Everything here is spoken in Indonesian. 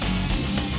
terima kasih chandra